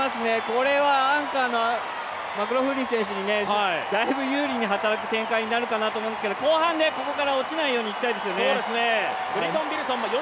これはアンカーのマクローフリン選手にだいぶ有利に働く展開になるかなと思うんですが後半、ここから落ちないようにいきたいですよね。